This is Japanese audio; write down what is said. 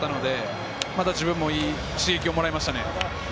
また自分も、いい刺激をもらいました。